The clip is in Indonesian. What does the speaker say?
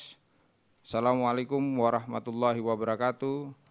assalamualaikum warahmatullahi wabarakatuh